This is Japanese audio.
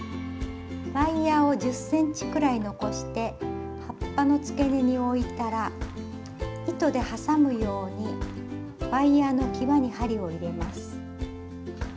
ワイヤーを１０ｃｍくらい残して葉っぱのつけ根に置いたら糸で挟むようにワイヤーのきわに針を入れます。